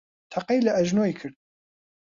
تەقەی لە ئەژنۆی کرد.